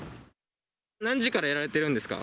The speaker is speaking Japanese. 何時からやられているんですか？